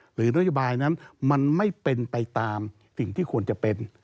หรือนัยยุบายนั้นมันไม่ตามสิ่งที่ควรจะเป็น